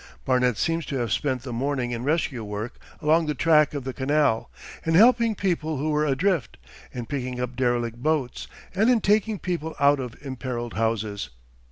Barnet seems to have spent the morning in rescue work along the track of the canal, in helping people who were adrift, in picking up derelict boats, and in taking people out of imperilled houses.